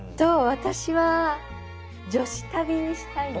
私は女子旅にしたいな。